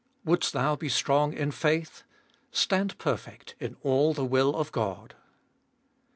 Wouldst thou be strong In faith stand perfect in all the will of Bod.